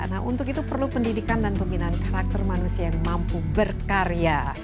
nah untuk itu perlu pendidikan dan pembinaan karakter manusia yang mampu berkarya